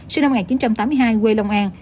sinh năm một nghìn chín trăm tám mươi hai quê long an